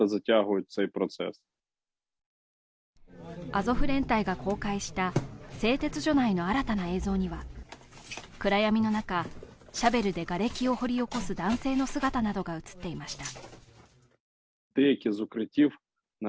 アゾフ連隊が公開した製鉄所内の新たな映像には、暗闇の中、シャベルでがれきを掘り起こす男性の姿などが映っていました。